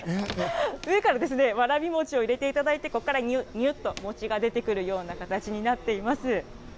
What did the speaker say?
上からわらび餅を入れていただいて、ここからにゅっと餅が出てくるような形になっています。